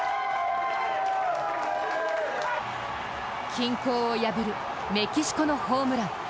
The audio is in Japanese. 均衡を破るメキシコのホームラン。